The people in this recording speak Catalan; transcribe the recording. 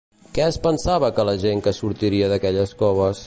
Què es pensava que la gent que sortiria d'aquelles coves?